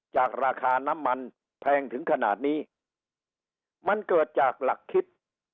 จากราคาน้ำมันแพงถึงขนาดนี้มันเกิดจากหลักคิด